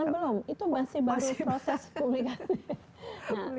belum itu masih baru proses publikasi